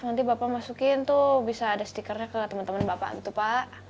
nanti bapak masukin tuh bisa ada stikernya ke teman teman bapak gitu pak